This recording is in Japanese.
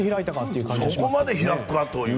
そこまで開くかと。